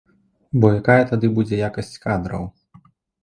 Бо якая тады будзе якасць кадраў?